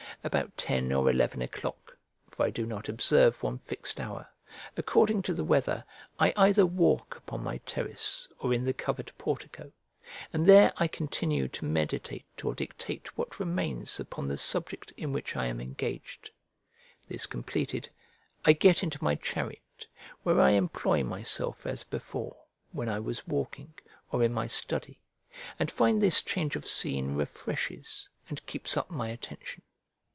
About ten or eleven o'clock (for I do not observe one fixed hour), according to the weather, I either walk upon my terrace or in the covered portico, and there I continue to meditate or dictate what remains upon the subject in which I am engaged. This completed, I get into my chariot, where I employ myself as before, when I was walking, or in my study; and find this change of scene refreshes and keeps up my attention.